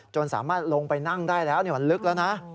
สามารถลงไปนั่งได้แล้วมันลึกแล้วนะ